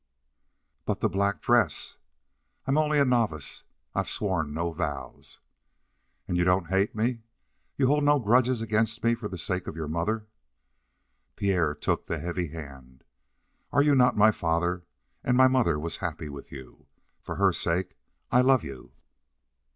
"But the black dress?" "I'm only a novice. I've sworn no vows." "And you don't hate me you hold no grudge against me for the sake of your mother?" Pierre took the heavy hand. "Are you not my father? And my mother was happy with you. For her sake I love you."